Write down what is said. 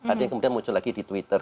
ada yang kemudian muncul lagi di twitter